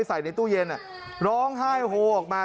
ใส่ในตู้เย็นร้องไห้โฮออกมา